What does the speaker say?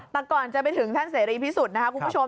แต่ก่อนจะไปถึงท่านเสรีพิสุทธิ์นะคะคุณผู้ชม